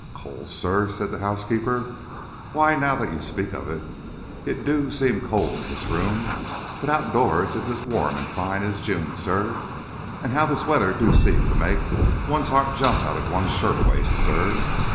"Cold, Sir?" said the housekeeper, "why, now, since you speak of it it do seem cold in this room. But, outdoors it's as warm and fine as June, sir. And how this weather do seem to make one's heart jump out of one's shirt waist, sir.